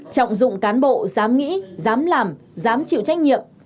trọng dụng cán bộ dám nghĩ dám làm dám chịu trách nhiệm